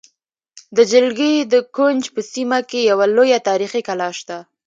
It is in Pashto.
د جلگې د کونج په سیمه کې یوه لویه تاریخې کلا شته